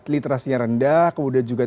literasinya rendah kemudian juga